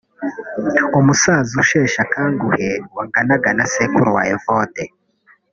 umusaza usheshe akanguhe wanganaga na Sekuru wa Evode